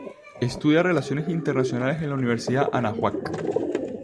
Estudia Relaciones Internacionales en la Universidad Anáhuac.